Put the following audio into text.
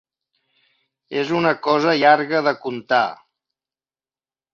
És una cosa llarga de contar.